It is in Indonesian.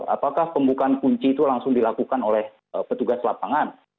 apakah pembukaan kunci itu langsung dilakukan oleh petugas lapangan